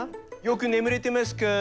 よく眠れてますか？